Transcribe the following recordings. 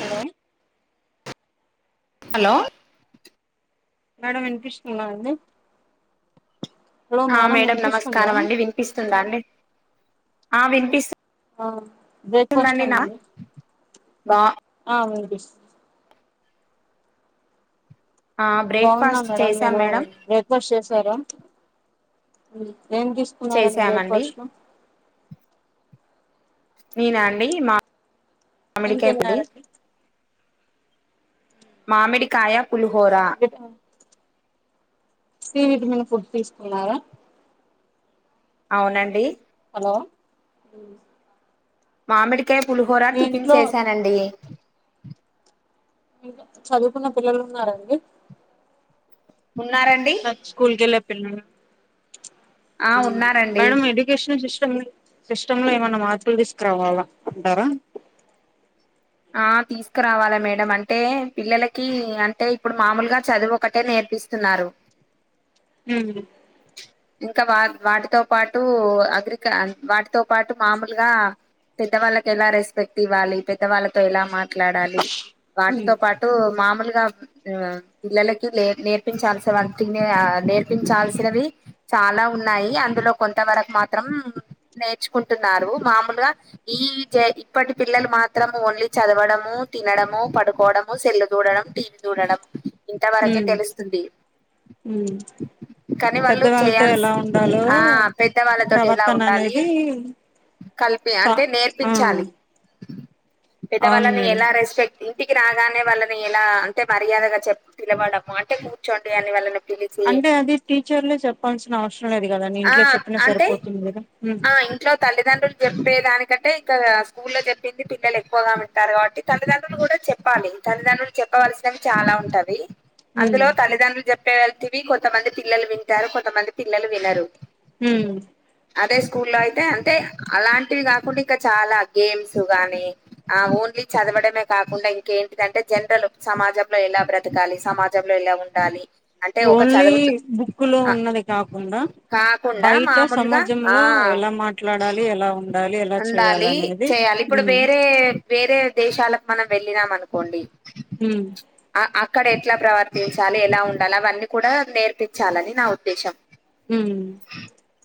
hello hello madam వినిపిస్తుందండి ఆ madam నమస్కారం అండి వినిపిస్తుందా అండి ఆ వినిపిస్తు ఆ బ్రేక్ఫాస్ట్ అండి వా ఆ వినిపిస్తుంది ఆ బాగున్నా బ్రేక్ఫాస్ట్ మేడం చేసాం మీరు మేడం ఏ బ్రేక్ ఫస్ట్ చేసారా ఏం తీసుకున్నారండి బ్రేక్ చేసామండి ఫస్ట్ లో నేను అండి ఏం మామిడికాయ పొడి తిన్నారండి మామిడి కాయ పులుహోరా సి విటమిన్ ఫుడ్ తీసుకున్నారా అవునండి హలో మామిడికాయ పులిహోర మీ టిఫిన్ ఇంట్లో చేసానండి చదువుకున్న పిల్లలు ఉన్నారండి ఉన్నారండి స్కూల్ కెలె పిల్లోడు అండి ఆ మేడం ఈది ఎడ్యుకేషన్ సిస్టమ్ సిస్టమ్ లో ఏమైన్నా మార్పులు తీసుకురావాలా అంటారా ఆ తీసుకురావాలా మేడ అంటే పిల్లలకి అంటే ఇప్పుడు మామూలుగా చదువు ఒకటే నేర్పిస్తు స్తున్నారు ఊ ఇంకా వా వాటితో పాటూ అగ్రిక వాటితో పాటూ మామూలుగా పెద్దవాళ్ళకి ఎలా రెస్పెక్ట్ ఇవ్వాలి పెద్దవాళ్ళతో ఎలా మాట్లాడాలి వాటితో ఉమ్ పా టూ మామూలుగా ఇంగా పిల్లలకి లే నేర్పించాల్సి వాటినే నేర్పించాల్సినవి చాలా ఉన్నాయి అందులో కొంత వరకు మాత్రం నేర్చుకుంటున్నారు మామూలుగా ఈ ఇప్పటి పిల్లలు మాత్రం ఓన్లీ చదవడము తినడము పడుకోవడము సెల్లు చూడడం టీ వీ చూడడం ఇంతవరకే ఉమ్ తెలుస్తుంది కానీ వాళ్ళు పెద్దవాళ్ళతో టన్స్ ఎలా ఉండాలో ఆ పెద్దవాళ్ళతోటి ఎలా ఉండాలి ఈ కలిపి అంటే నేర్పించాలి అవును పెద్దవాళ్ళని మేడం ఎలా రెస్పెక్ట్ ఇంటికి రాగానే వాళ్ళని ఎలా అంటే మర్యాదగా చె పిలవడము అంటే కూర్చోండి అని వాళ్ళని పిలి అంటే అది టీచర్లే చెప్పాల్సిన అవసరం లేదు కదండి ఆ ఇంట్లో చెప్పినా అంటే సరిపోతుంది కదా ఉమ్ ఆ ఇంట్లో తల్లిదండ్రులు చెప్పే దానికంటే ఇంక స్కూల్ లో చెప్పింది పిల్లలు ఎక్కువగా వింటారు కాబట్టి తల్లిదండ్రులు కూడా చెప్పాలి తల్లిదండ్రులు చెప్పవలసినవి చాలా ఉంటవి ఉమ్ అందులో తల్లిదండ్రులు చెప్పే వెళ్తివి కొంతమంది పిల్లలు వింటారు కొంతమంది పిల్లలు వినరు ఉమ్ అదే స్కూ లో అయితే అంటే అలాంటివి కాకుండా ఇంకా చాలా గేమ్స్ గానీ ఆ ఓన్లీ చదవడమే కాకుండా ఇంకేంటిదంటే జనరల్ సమాజంలో ఎలా బ్రతకాలి సమాజంలో ఎలా ఉం డాలి ఓన్లీ బుక్కు లో ఉన్నది కాకుండా కాకుండా బయట మామూలుగా ఆ సమాజంలో ఎలా మాట్లాడాలి ఎలా ఉం ఉండాలి చెయ్యాలి ఇప్పుడు వేరే వేరే దేశాలకు మనం వెళ్ళినాం అనుకోండి ఉమ్ అక్కడ ఎట్లా ప్రవర్తించాలి ఎలా ఉండాలి అవన్నీ కూడా నేర్పిచ్చాలని నా ఉద్దేశ్యం ఉమ్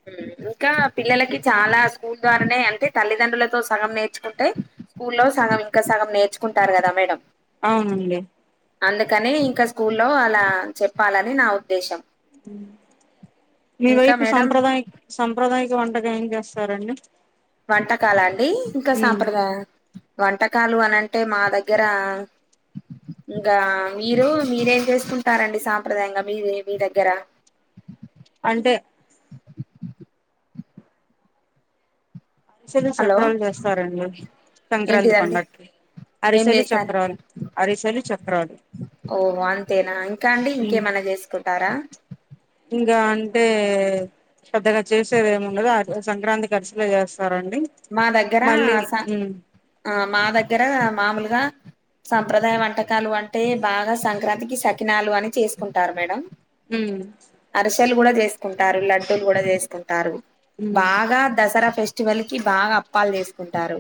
ఉమ్ ఇంకా పిల్లలకి చాలా స్కూల్ ద్వారానే అన్ టే తల్లిదండ్రులతో సగం నేర్చుకుంటే స్కూల్లో సగం ఇంకా సగం నేర్చుకుంటారు కదా మేడం అవునండి అందుకని ఇంకా స్కూల్ లో అలా చెప్పాలని నా ఉద్దేశం ఉమ్ మీ ఇంకా వైపు మేడం సాంప్రదాయ సాంప్రదాయక వంటకం ఏం చేస్తారండి వంటకాలా అండి ఇంకా ఉమ్ సాంప్రదాయ వంటకాలు అని అంటే మా దగ్గర ఇంకా మీరు మీరేం చేసుకుంటారండి సాంప్రదాయంగా మీది మీ దగ్గర అంటే అరిసెలు హలో సప్రాలు చేస్తారండి సంక్రాంతి ఏంటిదండి పండక్కి ఏం అరిసెలు చేస్తారు చక్రాలు అరిసెలు చక్రాలు ఓ అంతేనా ఇంకా అండి ఉమ్ ఇంకేమన్నా చేసుకుంటారా ఇంకా అంటే పెద్దగా చేసేది ఏముండదు అదే సంక్రాంతి గరిసెలే చేస్తారండి మా దగ్గర మళ్ళీ స ఉమ్ ఆ మా దగ్గర మామూలుగా సంప్రదాయ వంటకాలు అంటే బాగా సంక్రాంతికి సక్కినాలు అని చేసుకుంటారు మేడం ఉమ్ అరిసెలు కూడా చేసుకుంటారు లడ్డూలు కూడా చేసుకుంటారు ఉమ్ బాగా దసరా ఫెస్టివల్ కి బాగా అప్పాలు చేసుకుంటారు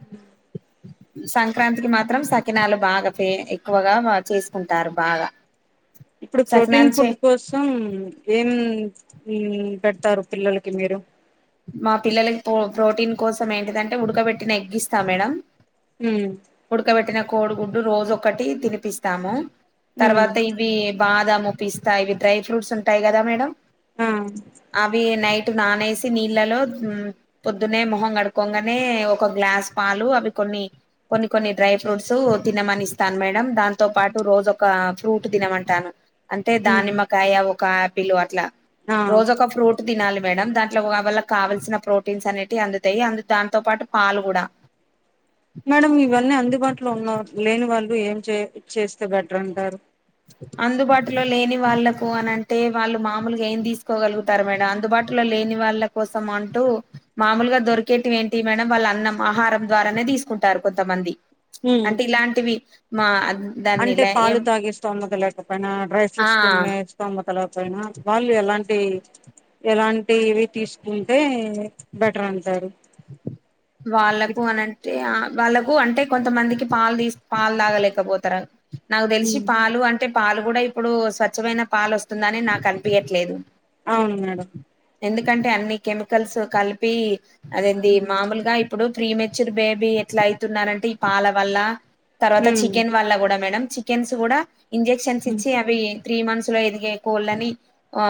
అ సంక్రాంతికి మాత్రం సకినాలు బాగా ఫె ఎక్కువగా చేసుకుంటారు బాగా ఇప్పుడు సకినాలు ప్రోటీన్ చే ఫుడ్ కోసం ఏం పెడుతారు పిల్లలకి మీరు మా పిల్లలకి ప్రోటీన్ కోసం ఏంటిదంటే ఉడకబెట్టిన ఎగ్గిస్తా మేడం మ్ ఉడకబెట్టిన కోడిగుడ్డు రోజు ఒక్కటి తినిపిస్తాము ఉమ్ తర్వాత ఇవి బాదాము పిస్తాయి ఇవి డ్రై ఫ్రూట్స్ ఉంటాయి కదా మేడం ఆ అవి నైట్ నానేసి నీళ్ళలో మ్ పొద్దునే మొహం కడుకోగానే ఒక గ్లాస్ పాలు అవి కొన్ని కొన్ని కొన్ని డ్రై ఫ్రూట్స్ తినమని ఇస్తాను మేడం దాంతో పాటు రోజు ఒక ఫ్రూట్ తినమంటాను అంటే ఉమ్ దానిమ్మ కాయ ఒక ఆపిల్ అట్లా ఆ రోజు ఒక ఫ్రూట్ తినాలే మేడం దాట్ అట్లా వల్ల కావల్సిన ప్రోటీన్స్ అనేవి అందుతాయి అ దాంతో పాటు పాలు కూడా మేడం ఇవన్నీ అందుబాటులో ఉన్నా లేని వాళ్ళు ఏం చే చేస్తే బెటర్ అంటారు అందుబాటులో లేని వాళ్లకు అని అంటే వాళ్ళు మామూలుగా ఏం తీసుకోగలుగుతారు మేడం అందుబాట్ ట్లో లేని వాళ్ళ కోసం అంటూ మామూలుగా దొరికేటివి ఏంటి మేడం వాళ్ళన్నం ఆహారం ద్వారానే తీసుకుంటారు కొంతమంది ఉమ్ అంటే ఇలాంటివి మా దాన్ని అంటే ఇలా పాలు ఏం తాగే స్తోమత లేకపోయినా డ్రై ఆ ఫ్రూట్స్ తిినే స్తోమత లేకపోయిన వాళ్ళు ఎలాంటి ఎలాంటివి తీసుకుంటే బెటర్ అంటరు వాళ్ళకు అనంటే వాళ్ళకు అంటే కొంతమందికి పాలు తీస్ పాలు తాగలేకపోతర నాకు తెలిసి పాలు అంటే పాలు కూడా ఇప్పుడు స్వచ్ఛమైన పాలు వస్తుందని నాకు అనిపయట్లేదు అవును మేడం ఎందుకంటే అన్ని కెమికల్స్ కలిపి అదేంది మామూలు గ ఇప్పుడు ప్రీమేచుర్ బేబీ ఎట్ల అయితున్నారంటే ఈ పాల వల్ల తర్వాత చికెన్ వల్ల కూడా మేడం చికెన్స్ కూడా ఇంజెక్షన్స్ ఉమ్ ఇచ్చి అవి త్రీ మంత్స్ లో ఎదిగే కోళ్ళని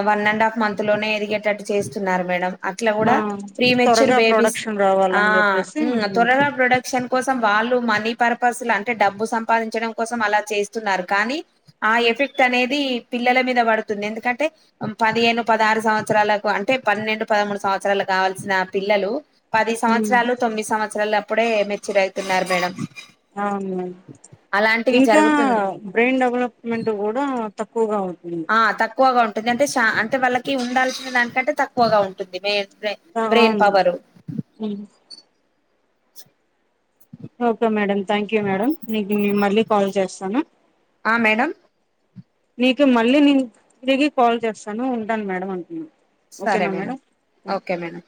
వన్ అండ్ హాఫ్ మంత్ లోనే ఎదిగేటట్టు చేస్తున్నారు మేడం అట్ల కూడ ఆ ప్రీ మేచ్యూర్ త్వరగా బేబీస్ ప్రొడక్షన్ ఆ రావాలని చెప్పేసి మ్ త్వరగా ప్రోడక్ క్షన్ కోసం వాళ్ళు మనీ పర్పస్ల అంటే డబ్బు సంపాదించడం కోసం అలా చేస్తున్నారు కానీ ఆ ఎఫెక్ట్ అనేది పిల్లల మీద పడుతుంది ఎందుకంటే పదిహేను పదహారు సంవత్సరాలకు అంటే పన్నెండు పదమూడు సంవత్సరా లు కావాల్సిన పిల్లలు పది సంవత్సరాలు తొమ్మిది సంవత్సరాలు అప్పుడే మెచూర్ అవుతున్నారు మేడం అవును మేడం అలాంటివి ఇంకా జరుగుతున్నాయి బ్రెయిన్ డెవలప్ మెంటూ కూడా తక్కువగా అవుతుంది ఆ తక్కువగా ఉంటుంది అంటే చా అంటే వాళ్ళకి ఉండాల్సిన దానికంటే తక్కువగా ఉంటుంది మెయిన్ ఆ అవును మ్ okay madam thank you madam నీకు మళ్ళీ కాల్ చేస్తాను ఆ మేడం నీకు మళ్ళీ నేను తిరిగి కాల్ చేస్తాను ఉంటాను మేడం అంటున్నా సరే మేడం ఓకే మేడం